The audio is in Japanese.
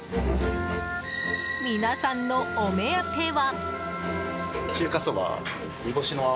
皆さんの、お目当ては。